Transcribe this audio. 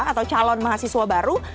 atau calon mahasiswa baru